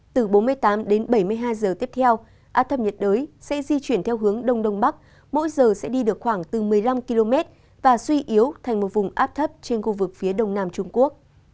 từ bốn mươi tám đến bảy mươi hai giờ tiếp theo áp thấp nhiệt đới sẽ di chuyển theo hướng đông đông bắc mỗi giờ sẽ đi được khoảng từ một mươi năm km và suy yếu thành một vùng áp thấp trên khu vực phía đông nam trung quốc